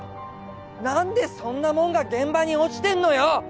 何でそんなもんが現場に落ちてんのよ！